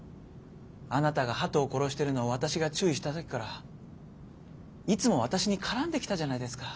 あなたがハトを殺してるのを私が注意した時からいつも私に絡んできたじゃないですか。